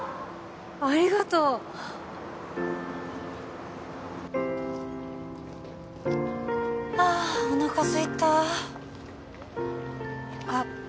ありがとうああおなかすいたあっ